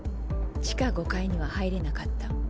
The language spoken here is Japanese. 地下５階には入れなかった。